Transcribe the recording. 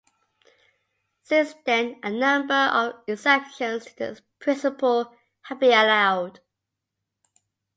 Since then a number of exceptions to this principle have been allowed.